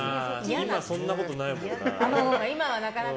今、そんなことないもんな。